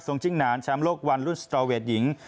จิ้งหนานแชมป์โลกวันรุ่นสตรอเวทหญิง